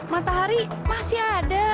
matahari masih ada